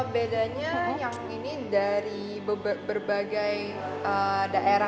bedanya yang ini dari berbagai jenis kecap